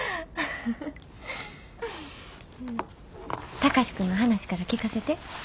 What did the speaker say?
貴司君の話から聞かせて。